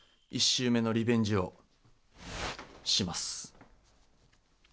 １週目のリベンジをします。